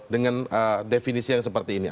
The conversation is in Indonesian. dengan definisi yang seperti ini